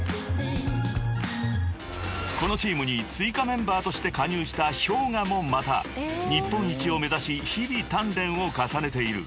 ［このチームに追加メンバーとして加入したＨｙＯｇＡもまた日本一を目指し日々鍛錬を重ねている］